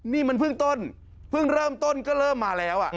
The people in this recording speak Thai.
นี่มันเพิ่งต้นเพิ่งเริ่มต้นก็เริ่มมาแล้ว